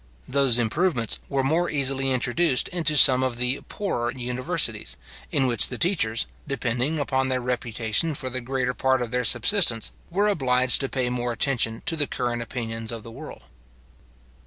Those improvements were more easily introduced into some of the poorer universities, in which the teachers, depending upon their reputation for the greater part of their subsistence, were obliged to pay more attention to the current opinions of the world.